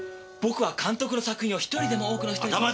僕は監督の作品を１人でも多くの人に。